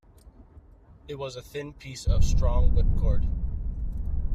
It was a thin piece of strong whipcord.